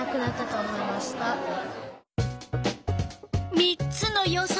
３つの予想